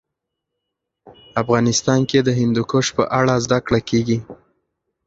افغانستان کې د هندوکش په اړه زده کړه کېږي.